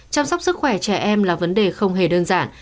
chăm sóc sức khỏe trẻ em là vấn đề không hề đơn giản